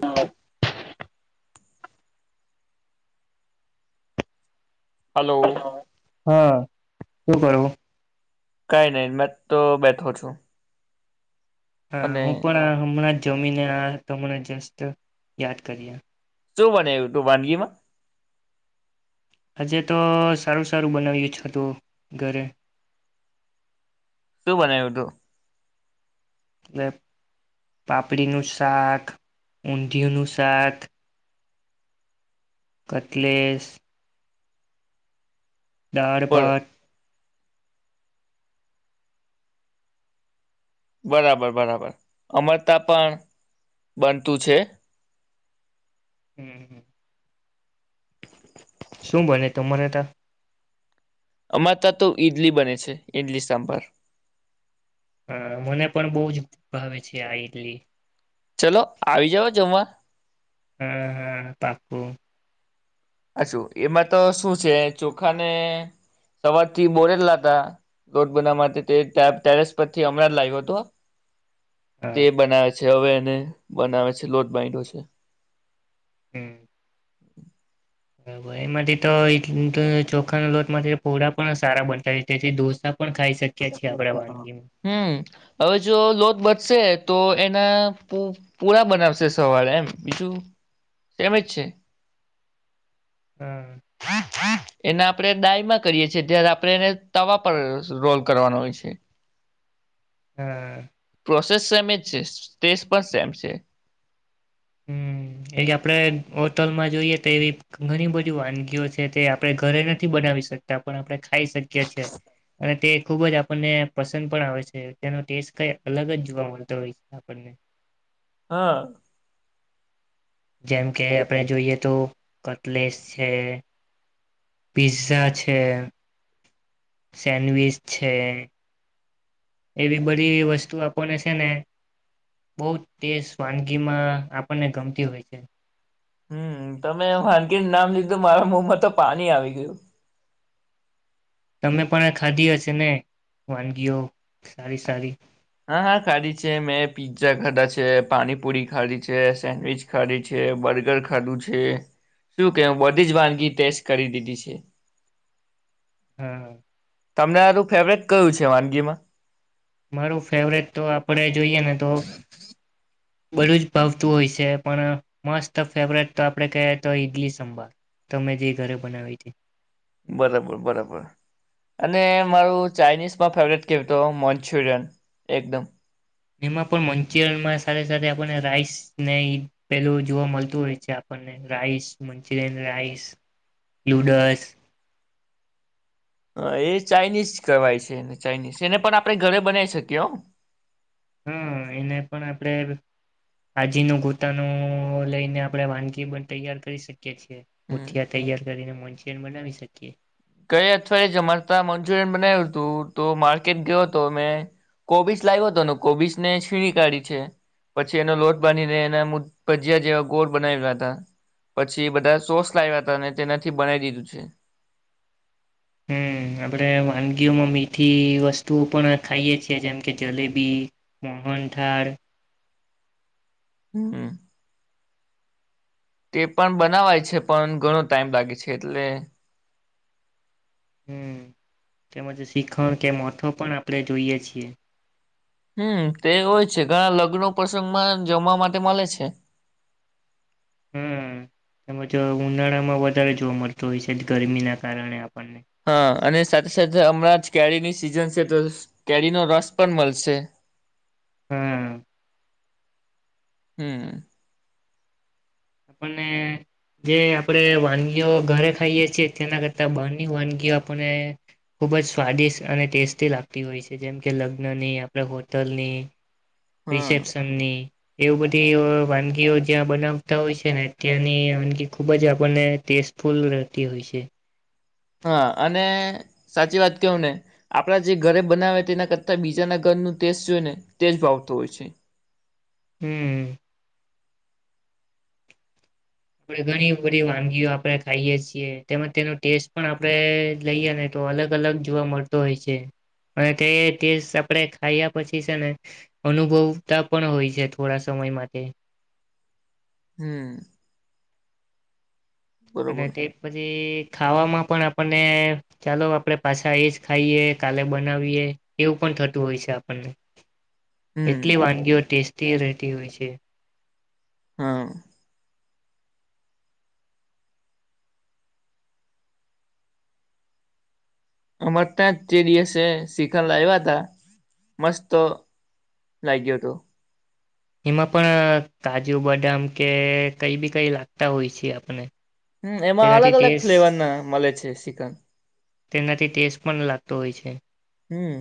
હા. હલો. હા શું કરવું? કઈ નહી મેં તો બેઠો છું. હા અને હું પણ હમણાં જ જમીને આ તમણે જસ્ટ યાદ કર્યા શું બનાવ્યું તું વાનગીમાં? આજે તો સારું સારું બનાવ્યું હતું ઘરે. શું બનાવ્યું તું? એટલે પાપડીનું શાક, ઊંધિયુંનું શાક કટલેસ દાળ બર ભાત. બરાબર બરાબર અમારા ત્યાં પણ બનતું છે. હમ્મ હ. શું બને તમારે તા અમાતા તો ઈડલી બને છે ઈડલી સાંભાર. હા મને પણ બહુ જ ભાવે છે આ ઈડલી. ચલો આવી જાવ જમવા. હ હ હ પાકું. આ શું એમાં તો શું છે ચોખાને સવારથી બોરેલા હતા લોટ બનાવવા માટે તે ટેરેસ પરથી હમણાં જ લાવ્યો હતો. તે હા બનાવે છે છ હવે એને બનાવે છે લોટ બાઇન્ડો છે હમ્મ. [unintelligible] એમાંથી તો ચોખાના લોટ થી પોળા પણ સારા બનતા તેથી ડોસા હમ્મ હવે જો લોટ બ બનશે તો એના પૂરા બનાવશે સવાર એમ બીજું એમજ છે. હમ્મ. એના આપણેે દાયમાં કરીએ છીએ. ત્યારે આપણેે એને તવા પર રોલ કરવાનો હોય છે. હા. પ્રોસેસ સેમ જ છે સ્ટેજ પણ સેમ છે. હમ્મ, એ આપણેે હોટલમાં જોઈએ તો એવી ઘણી બધી વાનગીઓ છે. તે આપણે ઘરે નથી બનાવી શકતા પણ આપણે ખાઈ શકીએ છીએ અને તે ખુબ જ આપણને પસંદ પણ આવે છે. તેનો ટેસ્ટ કઈ અલગ જ જોવા મળતો હોય છે આપણને. હા. જેમ કે આપણે જોઈએ તો કટલેસ છે, પિઝઝા છે સેન્ડવીચ છે એવી બધી વસ્તુ આપણને છે ને બહુ તેસ વાનગીમાં આપણને ગમતી હોય છે. હમ્મ, તમે વાનગીનું નામ લીધું મારા મોમાં તો પાણી આવી ગયું. તમે પણ આ ખાધી હશે ને વાનગીઓ સારી સારી. હા હા ખાધી છે. મેં પીઝ્ઝા ખાધા છે, પાણીપુરી ખાધી છે, સેન્ડવીચ ખાધી છે, બર્ગર ખાધું છે શું કે બધી જ વાનગી ટેસ્ટ કરી દીધી છે. હમ્મ. તમને આરું ફેવરિક કયું છે વાનગીમાં? મારું ફેવરેટ તો આપડે જોઈએ ને તો બધું જ ભાવતું હોય છે. પણ મસ્ત ફેવરેટ તો આપણે ક તો ઈડલી સંભાર તમે જે ઘરે બનાવી હતી. બરાબર બરાબર અને મારું ચાાઇનીઝમાં ફેવરેટ કહેતો મન્ચુરિયન એકદમ એમાં પણ મંચુરિયન માં સાથે સાથે આપણને રાઈસ ને પેલું જોવા મળતું હોય છે. આપણને રાઈસ મંચુરિયન રાઈસ. હમ લુડસ અ એ ચાઇનીઝ કેવાય છે એને ચાઇનીઝ એને પણ આપણે ઘરે બનાવી શકીએ હો. હા એને પણ આપડે આજીનું ગોતાનું લઈને આપણેે વાનગી પણ તૈયાર કરી શકીએ છીએ. હમ મુઠયા તૈયાર કરીને મંચુરયન બનાવી શકીએ. ગઈ અઠવાડિયે જ અમાર તા મંચુરિયન બનાવ્યું તું. તો માર્કેટ ગયો હતો મેં કોબીસ લાવ્યો હતોને કોબીસને છીણી કાઢી છે પછી એનો લોટ બાંધને એ ભજીયા જેવા ગોળ બનાવયા હતા પછી બધા સોસ લાવ્યા હતા અને તેનાથી બનાવી દીધું છે. હમ્મ, આપણેે વાનગીઓમાં મીઠી વસ્તુઓ પણ ખાઈએ છીએ જેમ કે જલેબી, મોહનથાળ હમ્મ. તે પણ બનાવાય છે. પણ ઘણો ટાઈમ લાગે છે એટલે હમ્મ, તેમજ શીખણ કે મોથો પણ આપણે જોઈએ છીએ. હમ્મ, તે હોય છે ઘણા લગ્નો પ્રસંગમાં જમવા માટે મળે છે. હમ્મ, એજ ઉનાળામાં વધારે જોવા મળતો હોય છે જ ગરમી ના કારણે આપણને હા અને સાથે સાથે હમણાં જ કેરીની સિઝન છે તો કેરીનો રસ પણ મળશે. હમ્મ. હમ્મ. આપણને જે આપણે વાનગીઓ ઘરે ખાઈએ છીએ. તેના કરતા બની વાનગીઓ આપણને ખુબ જ સ્વાદિષ્ટ અને ટેસ્ટી લાગતી હોય છે. જેમ કે લગ્નની, આપણે હોટલની હા રિસેપશનની એવ બધી વાનગીઓ જ્યાં બનાવતા હોય છે ને ત્યાંની વાનગી ખૂબ જ આપણને ટેસ્ટફુલ રહેતી હોય છે. હા અને સાચી વાત કવું ને આપણા જે ઘરે બનાવે તેના કરતાં બીજાના ઘરનું ટેસ્ટ જોઈ ને તેજ ભાવતો હોય છે. હમ્મ. આપણે ઘણી બધી વાનગીઓ આપણે ખાઈએ છીએ. તેમાં તેનો ટેસ્ટ પણ આપણે લઈએ ને તો અલગ અલગ જોવા મળતો હોય છે અને તે ટેસ્ટ આપણે ખાયા પછી છે ને અનુભવતા પણ હોય છે થોડા સમય માટે હમ્મ. અને તે પછી ખાવામાં પણ આપણને ચાલો આપણેે પાછા આવી જ ખાઈએ કાલે બનાવીએ એવું પણ થતું હોય છે આપણને હમ એટલી વાનગીઓ ટેસ્ટ ટી રહતી હોય છે હા અમારે ત્યાં તે દિવસે શિખંડ લાયવા તા મસ્ત લાગ્યો હતો એમાં પણ કાજુ બદામ કે કઈ બી કઈ લાગતા હોય છે આપને હમ એમાં અલગ અલગ ફ્લેવર ના મળે છે શ્રીખંડ તેનાથી ટેસ્ટ પણ લાગતો હોય છે હમ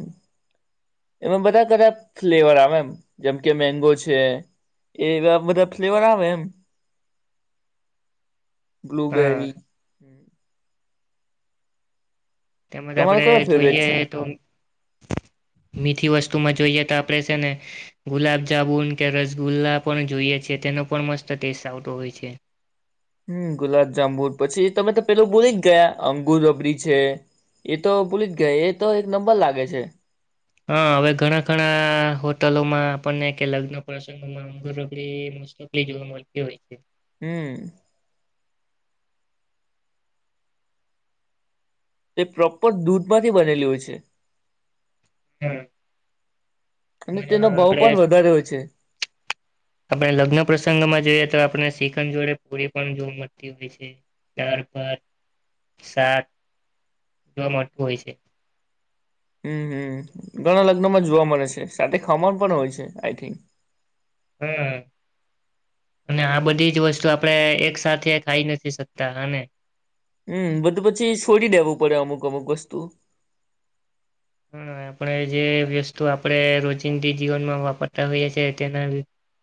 એમાં બધા કધા ફ્લેવર આવે એમ જેમ કે મેંગો છે એવા બધા ફ્લેવર આવે એમ હા બ્લુબેરી હ તેમજ તમારો આપડે કયો ફેવરેટ જોઈએ છે તો મીઠી વસ્તુ વસ્તુમાં જોઈએ તો આપણે છે ને ગુલાબ જામુન કે રસગુલ્લા પણ જોઈએ છે તેનો પણ મસ્ત ટેસ્ટ આવતો હોય છે હમ ગુલાબજામુન પછી તમે તો પેલું બોલી જ ગયા અંગુર રબરી છે એ તો બોલી જ ગયા એ તો એક નંબર લાગે છે હા હવે ઘણા ઘણા હોટલોમાં આપણને કે લગ્ન પ્રસંગોમાં અંગડીકલી જોવા મળતી હોય છે હમ તે પ્રોપર દૂધમાંથી બનેલી હોય છે હા અને તેમજ તેનો ભાવ આપણે પણ વધારે હોય છે આપણે લગ્ન પ્રસંગમાં જોઈએ તો આપણે શ્રીખંડ જોડે પૂરી પણ જોવા મળતી હોય છે ચાર પાાર સાત જોવા મળતું હોય છે હમ હમ ઘણા લગ્નમાં જોવા મળે છે સાથે ખાવાનું પણ હોય છે આઈ થિંક હમ અને આ બધી જ વસ્તુ આપણે એક સાથે ખાઈ નથી શકતા હા ને હમ બધું પછી છોડી દેવું પડે અમુક અમુક વસ્તુ હા આપણે જે વસ્તુ આપણે રોજિંદી જીવનમાં વાપરતા હોઈએ છીએ તેના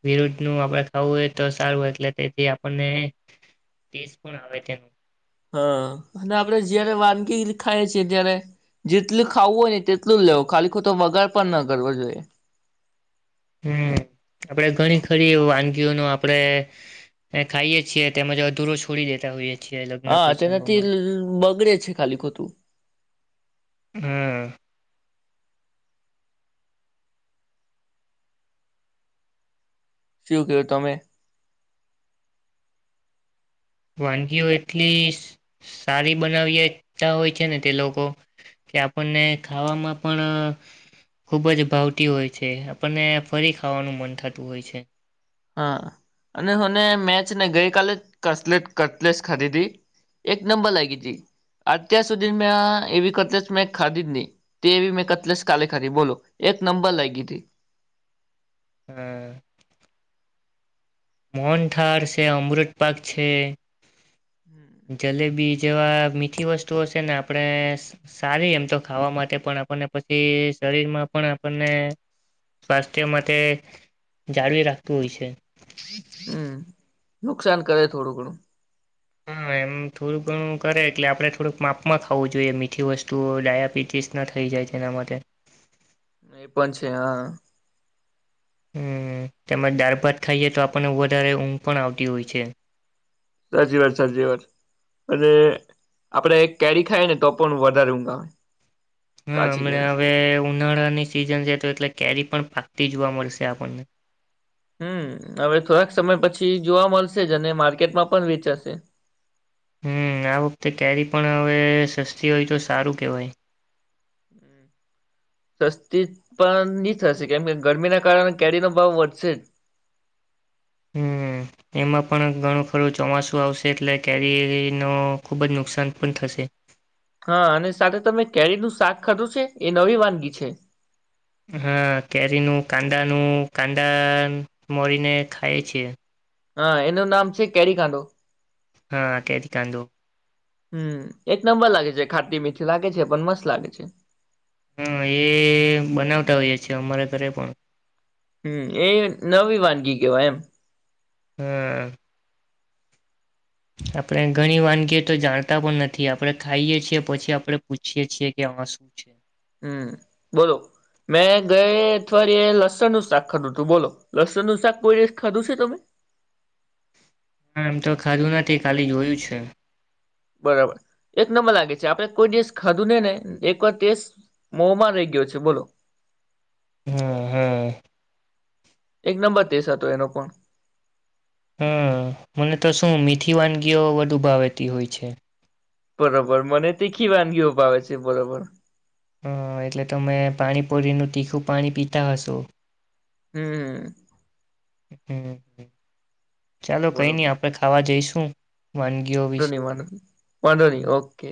વિરુદ્ધ ન આપણે ખાવું હોય તો સારું હો એટલે તેથી આપણને પણ આવે તેનું હા અને આપણેે જયારે વાનગી ખાઈએ છીએ ત્યારે જેટલું ખાવું હોય ને તેટલું લેવું ખાલી ખો તો વગાર પણ ના કરવો જોઈએ હમ આપડે ઘણી ખરી એ વાનગી ન આપણે ખાઈએ છીએ તેમજ અધૂરો છોડી દેતા હોઈએ છીએ લગ્ન હા તેનાથી પ્રસંગોમાં બગડે છે ખાલી ખોટું હમ શું ક્યું તમે વાનગીઓ એટલી સારી બનાવી હોય છે ને તે લોકો કે આપણને ખાવામાં પણ ખુબ જ ભાવતી હોય છે આપણને ફરી ખાવાનું મન થતું હોય છે હા અને મને મેચ ને ગઈ કલે કટલેસ ખાધધી એક નંબર લાગી હતી અત્યાર સુધી મેં એવી કતલેસ મેં ખાધ નહી તે એવી મેં કતલેસ કાલે ખાધી બોલો એક નંબર લાગી હતી હમ મોહનથાડ છે અમૃત પાક છે જલેબીજ જેવા મીઠી વસ્તુઓ છે ને આપણે સારી એમ તો ખાવા માટે પણ આપણને પછી શરીરમાં પણ આપણને સ્વાસ્થ્ય માટે જાળવી રાખતું હોય છે હમ નુકસાન કરે થોડું ઘણું હા એમ થોડુંક ઘણું કરે એટલે આપણે થોડુંક માપમાં ખાવું જોઈએ મીઠી વસ્તુ ડાયાબિટીસ ના થઈ જાય છે એના માટે એ પણ છે હા હમ તેમજ દાળ ભાત ખાઈએ તો આપણને વધારે ઊંઘ પણ આવતી હોય છે સાચી વાત સાચી વાત અને આપડે એક કેરી ખાય ને તો પણ વધારે ઊંઘ આવે. હા કાચી હમણા કેરી. હવે ઉનાળાની સિઝન છે તો એટલે કેરી પણ. પાકતી જોવા મળશે આપણને. હમ હવે થોડાક સમય પછી જોવા મળશે જ અને માર્કેટમાં પણ વેચાશે. હમ આ વખતે કેરી પણ હવે સસ્તી હોય તો સારું કેહેવાય. હ સસ્તી પણ નહી થશે કેમ કે ગરમીના કારણે કેરીનો ભાવ વધશે જ. હમ એમાં પણ ઘણું ખરું ચોમાસું આવશે એટલે કેરીરી ન ખુબ જ નુકસાન પણ થશે. હા અને સાથે તમે કેરીનું શાક ખાધું છે એ નવી વાનગી છે. હા કેરીનું કાંદાનું કાંદા મોરીને ખાય છે. હા એનું નામ છે કેરી કાંડો. હા તેથી કાંદો. હમ એક નંબર લાગે છે ખાતી મીઠી લાગે છે પણ મસ્ત લાગે છે. હા એ બનાવતા હોઈએ અમારા ઘરે પણ. હમ એ નવી વાનગી કેવાય એમ. હમ. આપણે ઘણી વાનગી તો જાણતા પણ નથી આપડણે ખાઈએ છીએ પછી આપડણે પૂછીએ છીએ કે હા શું છે. હમ બોલો મેં ગયા અઠવાડિયે લસણ નું શાક ખાધું હતું બોલો લસણ નું શાક કોઈ રીતે ખાધું છે તમે. હા એમ તો ખાધું નથી ખાલી જોયું છે. બરાબર એક નંબર લાગે છે આપણે કોઈ દેશ ખાધું ને ને એક વાર દસ મોમાં રહી ગયો છે બોલો. હમ હમ. એક નંબર ટેસ્ટ હતો એનો પણ. હમ મને તો શું મીઠી વાનગીઓ વધુ ભાવતી હોય છે. બરોબર મને તીખી વાનગીઓ ભાવે છે બરોબર. હ એટલે તમે પાણીપુરીનું તીખું પાણી પીતા હશો. હમ હ. હમ હમ. ચાલો કઈ નઈ આપણેે ખાવા જઈશું. હમ. વા ન વા વાંધો ન ઓકે.